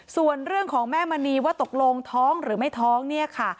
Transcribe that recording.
ส่วนเรื่องของแม่มณีว่าตกลงท้องหรือไม่ท้องเนี่ยค่ะ